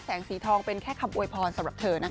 สีทองเป็นแค่คำอวยพรสำหรับเธอนะคะ